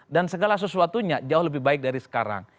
dan segala sesuatunya jauh lebih baik dari sekarang